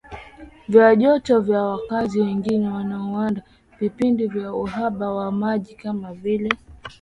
vya joto na wakazi wengi yanaona vipindi vya uhaba wa maji kama vile